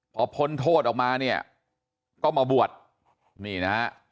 พอพ้นโทษออกมาเนี่ยก็มาบวช